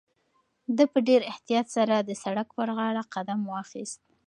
ده په ډېر احتیاط سره د سړک پر غاړه قدم واخیست.